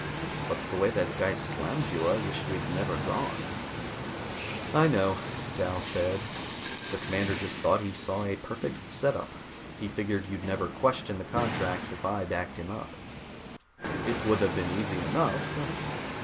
"But the way that guy slammed you, I wish we'd never gone." "I know," Dal said. "The commander just thought he saw a perfect setup. He figured you'd never question the contracts if I backed him up." "It would have been easy enough.